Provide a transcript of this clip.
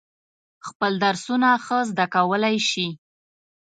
خپل درسونه ښه زده کولای شي.